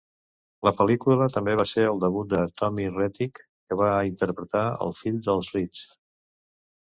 La pel·lícula també va ser el debut de Tommy Rettig, que va interpretar el fill dels Reeds.